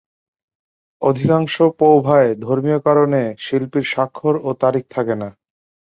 অধিকাংশ পৌভায় ধর্মীয় কারণে শিল্পীর স্বাক্ষর ও তারিখ থাকে না।